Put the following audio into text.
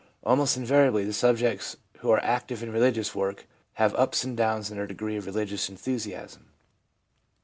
Almost invariably the subjects who are active in religious work have ups and downs in their degree of religious enthusiasm.